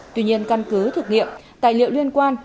tuy nhiên căn cứ thực nghiệm tài liệu liên quan